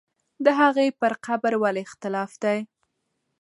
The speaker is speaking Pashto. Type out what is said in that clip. د هغې پر قبر ولې اختلاف دی؟